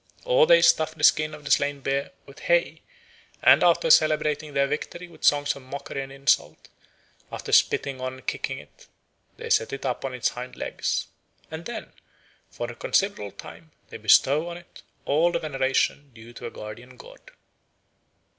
Or they stuff the skin of the slain bear with hay; and after celebrating their victory with songs of mockery and insult, after spitting on and kicking it, they set it up on its hind legs, "and then, for a considerable time, they bestow on it all the veneration due to a guardian god."